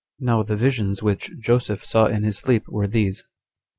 Now the visions which Joseph saw in his sleep were these: 2.